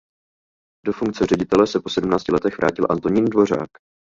Do funkce ředitele se po sedmnácti letech vrátil Antonín Dvořák.